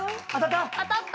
当たった？